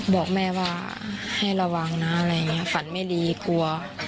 บอกแม่ว่าให้ระวังนะฝันไม่ดีกลัว